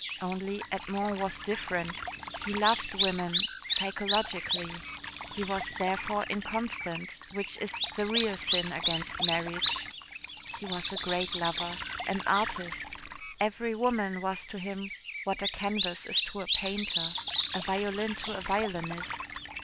Only Edmond was different. He loved women psychologically. He was therefore inconstant, which is the real sin against marriage. He was a great lover, an artist. Every woman was to him what a canvas is to a painter, a violin to a violinist.